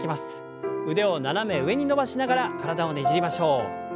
腕を斜め上に伸ばしながら体をねじりましょう。